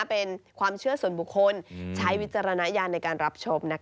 เป็นความเชื่อส่วนบุคคลใช้วิจารณญาณในการรับชม